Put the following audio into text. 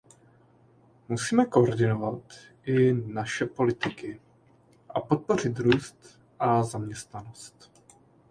Musíme koordinovat i naše politiky a podpořit růst a zaměstnanost.